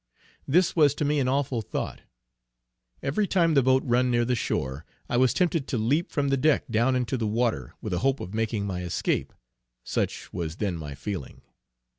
This was to me an awful thought; every time the boat run near the shore, I was tempted to leap from the deck down into the water, with a hope of making my escape. Such was then my feeling.